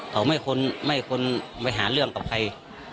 เขาไม่ควรไปหาเรื่องกับใคร